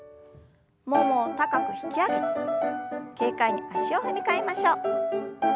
ももを高く引き上げて軽快に足を踏み替えましょう。